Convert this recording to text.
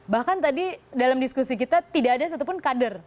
bahkan tadi dalam diskusi kita tidak ada satupun kader